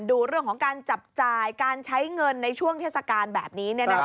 ดูเรื่องของการจับจ่ายการใช้เงินในช่วงเทศกาลแบบนี้